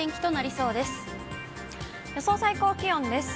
予想最高気温です。